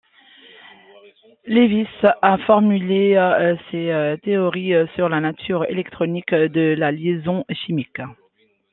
Lewis a formuler ses théories sur la nature électronique de la liaison chimique.